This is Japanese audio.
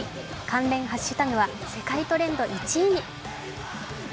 関連ハッシュタグは世界トレンド１位に。